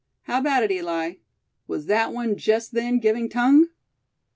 How about it Eli; was that one just then giving tongue?"